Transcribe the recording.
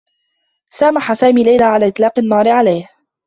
سامح سامي ليلى على إطلاق النّار عليه.